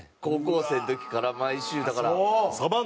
高校生の時から毎週だから。